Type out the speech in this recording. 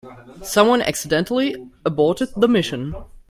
Someone accidentally aborted the mission.